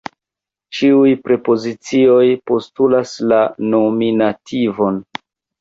Ĉiuj prepozicioj postulas la nominativon.